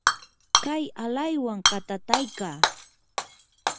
kay alaywan katataykaa.